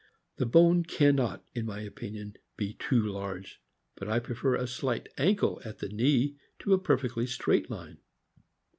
The bone can not, in my opinion, be too large, but I prefer a slight ankle at the knee to a perfectly straight line.